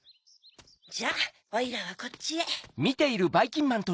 じゃおいらはこっちへ。